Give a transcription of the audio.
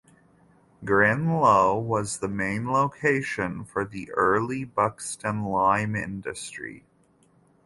Grin Low was the main location for the early Buxton lime industry.